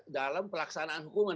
dalam pelaksanaan hukuman